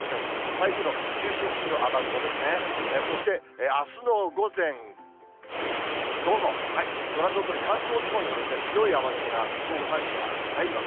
台風の中心付近の雨雲ですね、そしてあすの午前、午後、ご覧のとおり関東地方にも強い雨雲が午後３時には入ります。